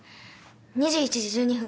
２１時１２分